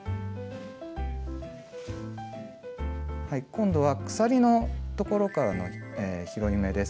今度は鎖のところからの拾い目です。